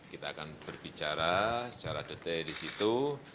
kita akan berbicara secara detail di situ